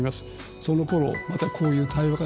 そのころ、またこういう対話が